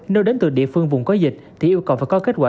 nếu đến từ địa phương vùng có dịch thì yêu cầu phải có kết quả